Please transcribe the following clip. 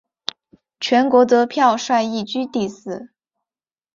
全国得票率亦居第四。